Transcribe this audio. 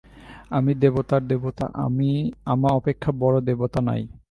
আমি দেবতার দেবতা, আমা অপেক্ষা বড় দেবতা নাই।